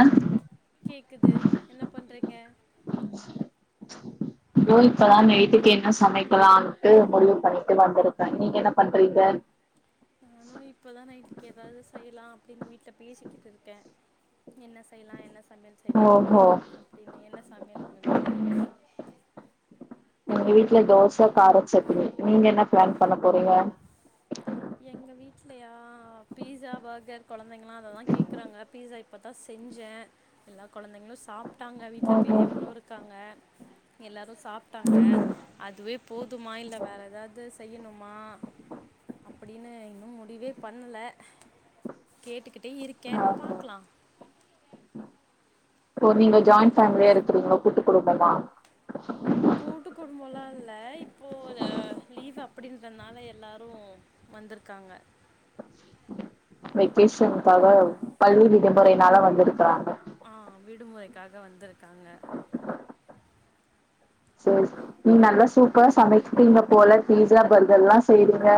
அ கேக்குது என்ன பண்றீங்க தோ இப்பதா நைட்டுக்கு என்ன சமைக்கலாம்னுட்டு முடிவு பண்ணிட்டு வந்திருக்கே நீங்க என்ன பண்றீங்க நானு இப்பதா நைட்டுக்கு எதாது செய்யலா அப்டின்னு வீட்ல பேசிக்கிட்டுருக்கே என்ன செய்யலா என்ன சம்யல் செய்யலா ஓஹோ அப்டீனு என்ன சமையல் உங்க வீட்ல எங்க வீட்ல தோச கார சட்னி நீங்க என்ன ப்ளான் பண்ண போறீங்க எங்க வீட்லயா பீஸா பர்கர் கொழந்தைங்களா அததா கேக்குறாங்க பீஸா இப்பதான் செஞ்சேன் எல்லா கொழந்தைங்களு சாப்ட்டாங்க வீட்ல ஓஹோ பெரியவங்களு இருக்காங்க எல்லாரு சாப்ட்டாங்க ம் அதுவே போதுமா இல்ல வேற ஏதாது செய்யணுமா அப்படின்னு இன்னும் முடிவே பண்ணல கேட்டுக்கிட்டே இருக்கேன் பாக்லா ஓ நீங்க ஜாய்ன் பேமிலியா இருக்குறீங்க கூட்டு குடும்பமா கூட்டு குடும்போலா இல்ல இப்போ அ லீவ் அப்டின்றனால எல்லாரும் வந்துருக்காங்க வெக்கேஷனுக்காக பள்ளி விடுமுறைனால வந்துருக்குறாங்க ஆ விடுமுறைக்காக வந்துருக்காங்க [unintelligible] நீ நல்லா சூப்பரா சமைப்பீங்க போல பீஸா பர்கர்ல்லா செய்றீங்க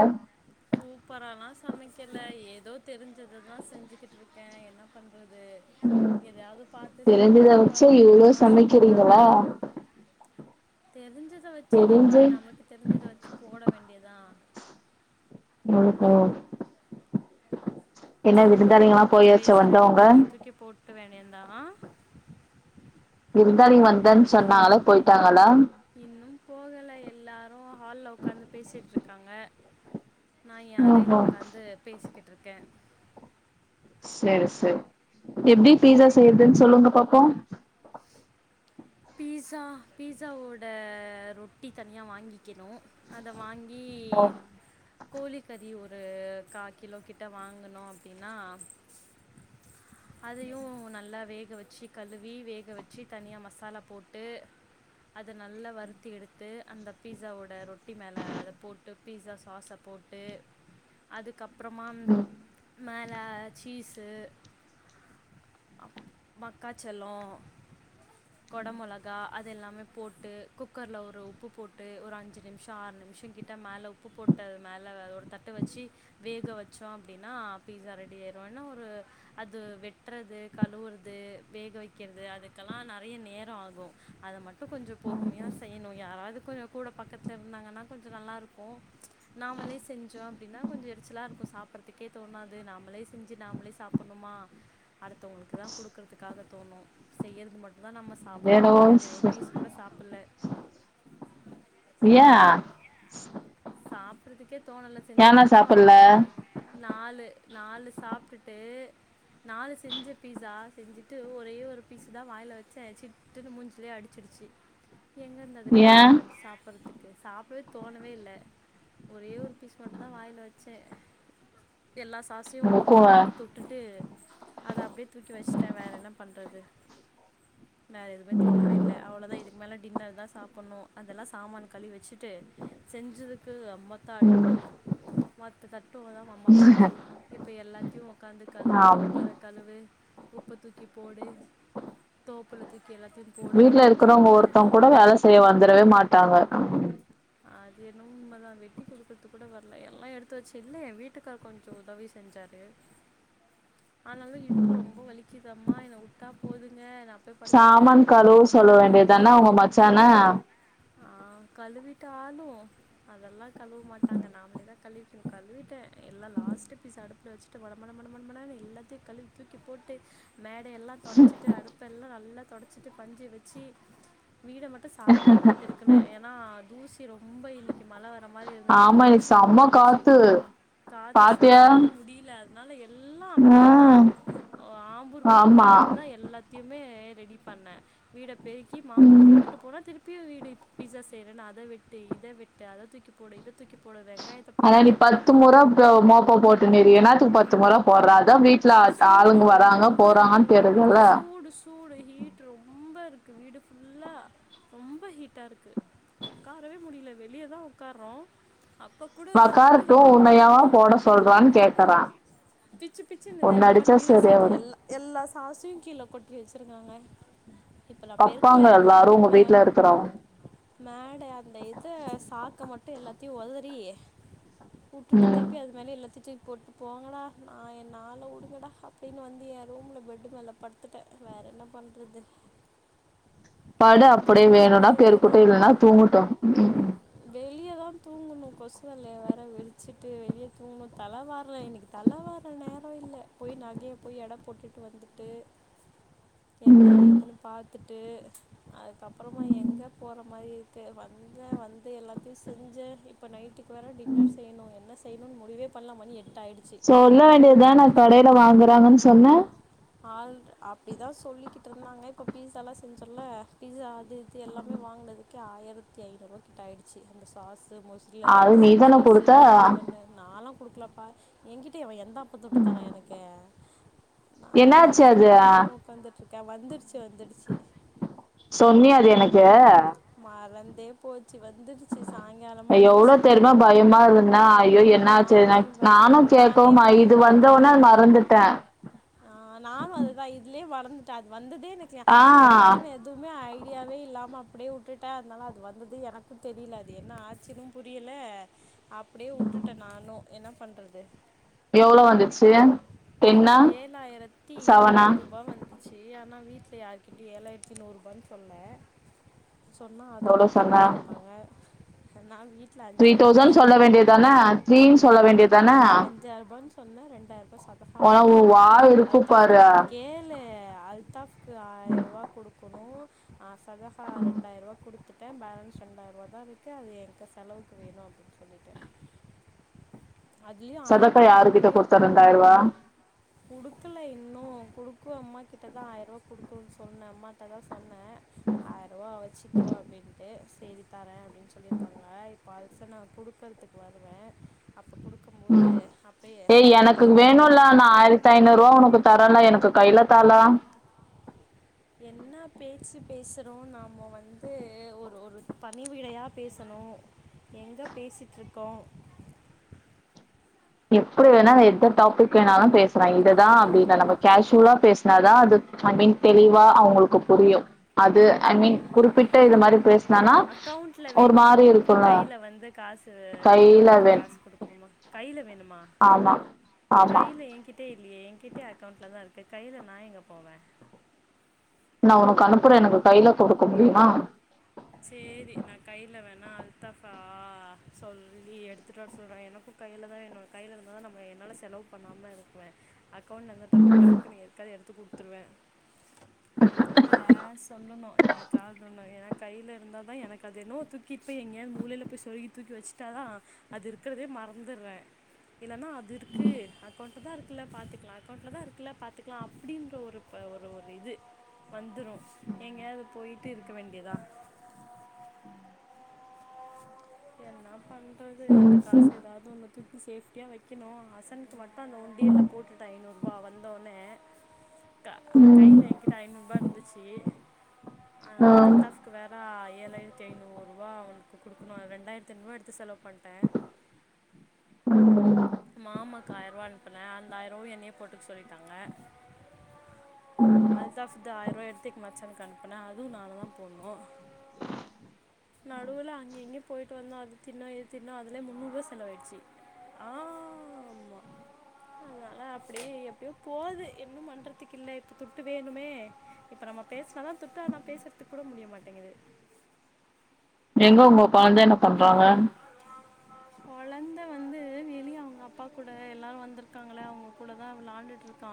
சூப்பரல்லா சமைக்கல ஏதோ தெரிஞ்சததான் செஞ்சுக்கிட்டு இருக்கே என்ன பண் றது ம் எதையாவது பாத்து செஞ்சா தெரிஞ்சத தான வச்சு கொழந்தைங்க இவ்ளோ விருப்பமா சாப்புட்றாங்க சமைக்கிறீங்களா தெருஞ்ச [unintelligible] வச்சு நம்ம தெரிஞ்சு நமக்கு தெருஞ்சத வச்சு போட வேண்டிதா ஓ ஹோ ச் என்ன விருந்தாளிகலா போயாச்சா வந்தவங்க தா விருந்தாளிக வந்தன்னு சொன்னாகளா போய்ட்டாகளா இன்னும் போகல எல்லாரு ஹால்ல உக்காந்து பேசிட் இருக் காங்க நான் எ ஓஹோ அரைல உக்காந்து பேசிகிட் இருக்கே சரி சர் எப்டி பீஸா செய்றதுன்னு சொல்லுங்க பாப் போ பீஸா பீஸாவோட ரொட்டி தனியா வாங்கி வக்கனும் அத வாங்கி ஓ கோழி கறி ஒரு ஒரு கா கிலோ கிட்ட வாங்குணோ அப்டின்னா அதயு நல்லா வேக வச்சு கழுவி வேக வச்சு தனியா மசாலா போட்டு அத நல்லா வறுத்து எடுத்து அந்த பீஸாவோட ரொட்டி மேல அத போட்டு பீஸா சாஸ போட்டு அது கப்றமா ம் மேல சீஸ் து அப் மக்காச்சோளோ கொட மொளகா அது எல்லாமே போட்டு குக்கர்ல ஒரு உப்பு போட்டு ஒரு அஞ்சு நிமிஷோ ஆறு நிமிஷோ கிட்ட மேல உப்பு போட்ட மேல அதோட தட்டு வச்சு வேக வச்சோ அப்டின்னா பீஸா ரெடி ஆயிரு என்னா ஒரு அது வெட்றது கழுவுறது வேக வக்கிறது அதுக்கெல்லா நெறய நே ரோ ஆகு அத மட் டு கொஞ்சோ பொறுமையா செய்யணு யாராது கொஞ்சோ கூட பக்கத்ல இருந்தாங்கன்னா கொஞ்சோ நல்லாருக்கு ச் நாமளே செஞ்சோ அப்டின்னா கொஞ்சோ எரிச்சலா இருக்கு சாப்பற்துக்கே தோணாது நாமளே செஞ்சு நாமளே சாப்பணுமா அடுத்தவுங்களுக்கு தா குடுக்குறதுக்காக தோணு செய்யறது மட்டுந்தா நம்ம சாப்டவே வேணவோ முடியாது ஒரு பீஸ் கூட சாப்புல்ல ஏ சாப்புர்றதுக்கே தோணல ஏனா செஞ்சதுன் நம்ம சாப்பல்ல உக்காந் நாலு நாலு சாப்டுட்டு நாலு செஞ்ச பீஸா செஞ்சிட்டு ஒரே ஒரு பீஸு தா வாயில வெச்சே சிட்டுன்னு மூஞ்சிலயே அடிச்சிருச்சி எங்கருந்து ஏ அதுகப்றோ உக்காந்து சாப்புர்றதுக் கு சாப்டவே தோணவே இல்ல ஒரே ஒரு பீஸ் மட்டுந்தா வாயில வெச்சே எல்லா சாசையு [unintelligible] உனக்கு வாட்டி தொட்டுட்டு அத அப்டியே தூக்கி வஷ்ட்டே வேற என்ன பண்றது வேற எதுவுமே தோணவே ம் இல்ல அவ்ளோதா இதுக்கு மேல டின்னர் தா சாப்புண்ணு அதெல்லா சாமான கழுவி வெச்சிட்டு செஞ்சதுக் க்கு அம் மொத்த அடுப்பு ம் மொத்த தட்டுந்தா வம்பா போச்சி இப்ப எல்லாத்தையு ஒக்காந்து கழுவு ஆமா குக்கர கழுவு உப்ப தூக்கி போடு தோப்புல தூ வீட்ல இருக்குறவங்க ஒருத்தவ்ங்க கூட வேல செய்ய வந்துறவே மாட்டாங்க அது என்னமோ உண்மதா வெட்டி குடுக்கற்துக் கூட வர்ல எல்லா எடுத்து வச்சி இல்ல ஏ வீட்டுக்கார் கொஞ்சோ உதவி செஞ்சாரு அத்னாலதா இடுப்பு ரொம்ப வலிக்குதம்மா என்ன உட்டா போதுங்க நா போய் படுத்துக்குற சாமான் அப்டின்ற கழுவ ஒரு சொல்ல மனநிலமேல வேண்டியதான இருக்க உங்க மச்சான ஆ கழுவி ட்டாலு அதெல்லா கழுவ மாட்டாங்க நாம்ளே தா கழுவி கழுவிட்டே எல்லா லாஸ்ட்டு பீஸ் அடுப்ல வெச்சிட்டு மட மட மட மன மடன்னு எல்லாத்தியு கழுவி தூக்கிப் போட்டு மேடையெல்லா தொடச்சிட்டு அடுப்பெல்லா நல்லா தொடச்சிட்டு பஞ்சு வெச்சி வீட மட்டு சாய்ங்காலந்தா பெருக்குன ஏனா தி ரொம்ப இன்னக்கி மழ வர மாரி இருந்தத்னால ஆமா இன்னைக்கு தூசி ரொம்போ செம்ம வந்துச்சி காத்து காத்து பாத்தியா சுத்தமாக முடில அத்னால எல்லா ஆ அப்ப தா ஆம்பூருக்கு ஆமா போகும் போது தா எல்லாத்தியுமே ரெடி பண்ண வீடப் பெருக்கி மாப்ப ம் போட்டுட்டு போனா திருப் பியு வீடு இப்பீட்சா செய்றன் அ த வெட்டு இத வெட்டு அத தூக்கிப் போடு இதத் ஆனா நீ பத்து முற த மோப்ப போட்டுன்றியே எனா பத்து முற போட்ற அதா வீட் சூடு ரொம்ப இருக்கு தெரியுதுல்ல சூடு சூடு ஹீட் ரொம்ப இருக் க்கு வீடு ஃபுல்லா ரொம்ப ஹீட்டா இருக்கு ஒக்காரவே முடியல வெளிய தா ஒக்காரறோ மக்காரட்டு உண்ன யாவா போட முடியல சொல்றான்னு கேக்குறா உன்னடித் பீச செஞ்ச எல்லா எல்லா சாசையு கீழ கொட்டி வச்சுரு சொன்னங்க இப்ப நா கப்பாங்க பெருக்கலா எல்லாரு உங்க மே வீட்ல இருக்கிறவங்க மேட அந்த இத சாக்க மட்டு போட்டு எல்லாத்தையு ஒதரி வுட்டுட்டு ம் திருப்பி அது மேலயே எல்லாத்தையு தூக் போட்டு போங்களா நா என்ன ஆள விடு ங்கடா அப்படின்னு வந்து ஏ ரூம்ல பெட்டு மேல படுத்துட்டே வேற என்ன பண்றது படு அப்படியே வேணும்னா பெருக்கட்டு தான் இல்லன்னா தூங்கட்டு வெளியே தா தூங்கணு கொசு வளைய வேறு விரிச்சிட்டு வெளியே தூங்கணு தல வாறல இன்னைக்கு தல வாற நேர கோயில்ல போய் நாங்களே போய் எடை போட்டுட்டு வந்துட்டு என்ன ம் ஏதுன்னு பாத்துட் ட்டு அதுக்கப்புறமா எங்க போறமாறி இருக்கு வந்த வந்து எல்லாத்தையு செஞ்ச இப்ப நைட்டுக்கு இ வேர டின்னர் செய்யணு என்ன செய் செய்யும்னு முடிவே பண்ணல மணி எட் சொல்ல வேண்டியதுதா நா கடையில வாங்கன் க்காங்கன்னு சொன்ன ஆ அப்படிதா சொல்லிக்கிட்ருந்தாங்க இப்ப பீஸ எல்லா செஞ்சோல பீஸா அது இது எல்லாமே வாங்னது கே ஆயிரத்தி ஐநூவா கிட்ட ஆயிடுச்சி அந்த சாஸ் மோசிர அது சாஸ் நீதான சீஸ் குடுத்த பர்கர் பண்ணு நாலா கொடுக்கலப்பா ஏங்கிட்ட எவ எந்தா அப்பத்து விட்டு தானே எனக்கு என்னாச்சு நானே அது தொட்டு இல்லாமல் உட்காந்துட்ருக்கேன் வந்துடுச்சு வந்துடுச்சு சொன்னிய அது எனக்கு மறந்தே போ அய் எவ்ளோ தெருமா பயமா இருந்தா ஐயோ என்னாச்சரி நானே பய நானு நானே கேகமா இது வந்தோனே மறந்துட்டே ஆ நானு அதுவா இதுல ஏ வளந்துட்டா அது வந்து நைக்கல ஆ அதை பத்தின எதுவுமே ஐடியாவே இல்லாம அப்டியே உட்டுட்டா அதனால அது வந்தது எனக்கு தெரியல அது என்னா ஆச்சினு புரியல அப்டியே உட்டுட்டே நானு என்ன பண்றது எவ்ளவு வந்துச்சு டென்னா த்தாயிரத்தி செவனா நூறு ரூபா வந்துச்சு அ நா வீட்ல யாருகிட்டயு ஏழாயிரத்தி நூறுரூபான் சொன்னே சொன்னா அதையு எவ்ளோ மொத்தமா சொன்ன கேப்பாங்க த்ரீ தௌசண்ட் சொல்ல வேண்டியதானே த்ரீன் சொல்ல வேண்டியதானே சொன்னே ரெண்டாயிரூபா [unintelligible] ஆனா உ குடுத்துட் தே வாய் இருக்கு பாரு அல்தாஃப்க்கு கேளு அல்தாஃப்க்கு ஆயிர ரூபா குடுக்கொ [unintelligible] ரெண்டாயிர ரூபா குடுத் தே பேலன்ஸ் ரெண்டாயிரூபா தா இருக்கு அது எங்க செலவுக்கு வேணு அப்டின்னு சொல்லிட்டே சதத்த யாரு கிட்ட குடுத்த ரெண்டாயரூவா குடுக்கல இன்னு குடுக்கு அம்மா கிட்ட தா ஆயிரரூவா குடுக்குனு சொன்னே அம்மாட்ட தா சொன் னே ஆயிரூவா வச்சுக்கோ அப்படின்ட்டு சேரி தரே சொல்லிருக்காங்க பல்ச நா குடுக்குறதுக்கு வருவே அப் குடுக்கும் போது ம் அப்பயே ஏய் எனக்கு இது பண்ணணும் வேணும்ல நா ஆயிரத்தி ஐநூறு ரூபா உனக்கு தரேல எனக்கு கையில தால பேசுறோ நாம வந்து ஒரு ஒரு பணிவிடையா பேசணு எங்க பேசிட்ருக்கோ எப்படி வேணாலு எந்த டாபிக் வேணாலு பேசுலா இதுதா அப்டி இல்ல நம்ம கேஷுவலா பேசினாதா அது ஐ மீன் தெளிவா அவங்களுக்கு புரியு அது ஐ மீன் குறிப்பிட்ட இது மாரி பேசுனனா அக்கவுண்ட்ல ஒரு வேணுமா மாரி ஒனக்கு இருக்கும்ல. கைல வந்து காசு கைல கையில ஒனக்கு வேண் காசு குடுக்கணுமா கை பே வேணுமா ஆமா, ஆமா. கைல என்கிட்டே இல்லியே என்கிட்ட அக்கவுண்ட்ல தா இருக் கு கையில நா எங்க போவே நா உனக்கு அனுப்புறே எனக்கு கையில குடுக்க முடியுமா சேரி நா கையில வேணா அல்தாஃபா சொல்லி எடுத்துட் வர சொல்றே எனக்கு கையிலதா என்னோட கையிலருந்தா தா நம்ம என்னால செலவு பண்ணாம இருக்குவே அக்கோண்ட்ல இருந்தா தபுக் டபுக்குனு யார்க்காது எடுத்து குடுத் துர்வே அதனால சொல்லணு எதுக்காகணு எனா கையிலருந்தா தா எனக் அது என்னவோ தூக்கிட் போய் எங்கேயாது மூலைல போய் சொருகி தூக்கி வச்சுட்டா தா அது இருக்கறதே மறந்துர்றே இல்லனா அது இருக்கு அக்கோண்ட் தாருக்குலெ பாத்துக்கிலா அக்கோண்ட்லெதா இருக்குலே பாத்துக்கிலா அப்டீன்ற ஒரு ஒரு இது வந்துரு எங்கயாது போயிட்டுருக்க வேண்டியதா பண்றது அந்த ம், காசு ம், ஏதாவது ஒன்னு துட்டு சேப்டியா வைக்கிணு அசன்க்கு மட் ட அந்த உண்டியெல்லெ போட்டுட்டெ ஐநூறு வா வந்தோன்னே கா ம், கையிலெ என்கிட்ட ஐநூறுபாருந்துச்சீ அனா ஆ, அல்தாஃப்க்கு வேறா ஏழாயிரத்தி ஐநூறுூபா அவுங் குடுக்குணு அதெண்ட் ரேண்டாயிரத்தைனுரூவா எடுத்து செலவு பண் [unintelligible] மாமாக்கு ஆயிர்வா அன்புனெ அந்தாயிரோ என்னெயே போட்டுக் சொல்ட்டாங்கே அழ்த்தாஃப்து ஆயிர்வா எட்த்துக் மச்சான்க்கு அன்புனே அதுவு நா அததா போன்னூ நடுல அங்கெங்க போய்ட்டு வந்தோ அது தின்னா இது தின்னா அதுலெ முன்னூர்வா செலவாயிட்ச்சி ஆமா அதனாலெ அப்படே எப்டியோ போதூ இன்னு பண்ணுறதுக்கில்லெ இப் துட்டு வேணுமே இப்ப நம்ம பேஸ்னா தா துட்டா நா பேசற்துக்குட முடிய மாட்டேங்குது எங்க உங்க கொழ்ந்தெ என்ன பண்றாங்கெ கொழந்தெ வந்தூ வெளியே அவுங்கப்பா கூட எல்லாரு வந்திருக்காங்களா அவுங்க கூடதா விளாண்டுட்டுருக்கா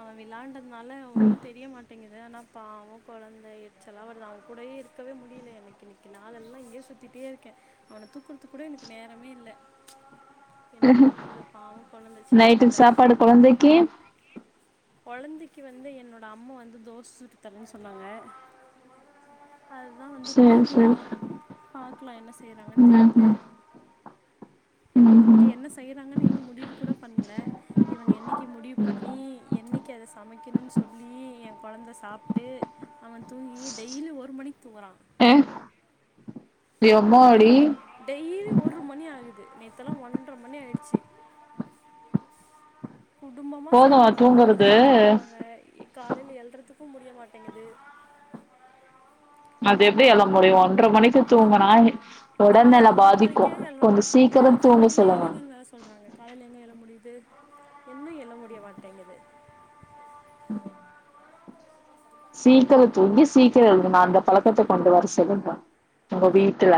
அவ விளாண்ட நால்ல ஒன்னு தெரியெ மாட்டேங்குது அனா பாவோ கொழந்தெச்சலா வருதா அவ கூடேயேருக்கவே முடீலெ எனக்கினிக்கி நாளெல்லா இங்கே சுத்திட்டேருக்கே அவன தூக்குர்த்து குடொ எனக் நேரமே இல்லெ என்னப் பண்றது பாவொ கொழந்தெ சின்னப் நைட்டுக்கு பிளெ சாப்பாடு கொழந்தைக்கு? [unintelligible] கொழந்திக்கி வந்து என்னோட அம்மு வந்து தோஸ் சுட்டு தரேன் சொன்னாங்க அது தா வந்து சரி, சரி. குடுக்குணு பாக்லா என்ன செய்றாங்கன் தெரீலெ ம்ஹ்ம், இங்கே ம்ஹ்ம். என்னெ செய்றாங்கன்னூ இன்னு முடிவு கூட பண்லே இவங்க என்னெக்கி முடிவு பண்ணீ இன்னிக்கி அத சமெக்கிணு சொல்லீ எ கொழந்த சாப்ட்டூ அவன் தூங்கீ டெய்லீ ஒரு மணிக் தூங்குறா ஏ இது எம்மாடி! டேய் டெயீலி ஒரு மணிஆகுது து நேத்தலா ஒன்ற மணியாயிடுச்சி குடும்பமா சேந்து போதும் ஒன்ற மணிக்கு தூங்குறது தா தூங்குறாங்கே காலேலெ எழ்றதுக் ப்ப முடிய மாட்டேங்குது [inaudible] அது எப்டி அல்ல முடியும் ஒன்ற மணிக்கு தூங்குனா ஒடல்நெல கால்ல ஆறு பாதிக்கு மணிக்கே எழும் கொஞ்சோ ஏ சீக்கிரோ தூங்க கால்யில சொல்லுங்க எழுந்திருங்க செல்றாங்க காலையில எங்கே எழ முடியுது இன்னும் எழ முடிய மாட்டேங்குது சீக்கிர தூங்கி சீக்கிர எழுந்தக்கனும் அந்த பழக்கத்தை கொண்டு வர செல்லுங்பா உங்க வீட்டுல